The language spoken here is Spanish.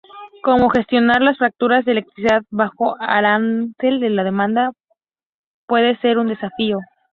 Cómo gestionar las facturas de electricidad bajo arancel de demanda puede ser un desafío.